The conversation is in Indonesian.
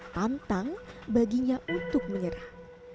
tantang baginya untuk menyerah